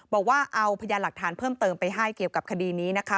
บอกว่าเอาพยานหลักฐานเพิ่มเติมไปให้เกี่ยวกับคดีนี้นะคะ